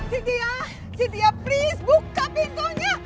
cynthia please buka pintunya